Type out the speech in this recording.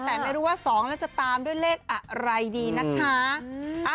แต่ไม่รู้ว่า๒แล้วจะตามด้วยเลขอะไรดีนะคะ